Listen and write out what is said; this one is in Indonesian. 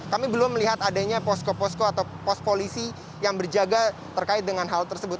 kami belum melihat adanya posko posko atau pos polisi yang berjaga terkait dengan hal tersebut